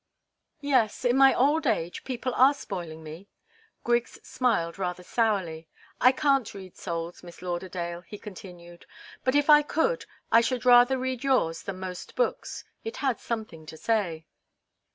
"Yes in my old age, people are spoiling me." Griggs smiled rather sourly. "I can't read souls, Miss Lauderdale," he continued. "But if I could, I should rather read yours than most books. It has something to say."